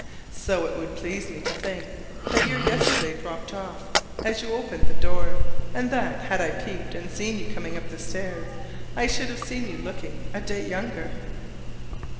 So it would please me to think that your yesterday dropped off as you opened the door; and that, had I peeped and seen you coming up the stairs, I should have seen you looking a day younger.